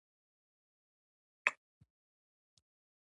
بیرته هېرول بد دی.